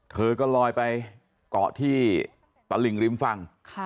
เธอก็ลอยไปเกาะที่ตลิ่งริมฝั่ง